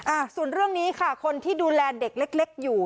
อ่าส่วนเรื่องนี้ค่ะคนที่ดูแลเด็กเล็กเล็กอยู่